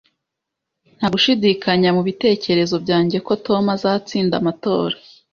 Ntagushidikanya mubitekerezo byanjye ko Tom azatsinda amatora